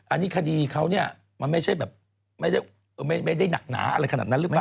อันนี้คดีเขาเนี่ยมันไม่ใช่แบบไม่ได้หนักหนาอะไรขนาดนั้นหรือเปล่า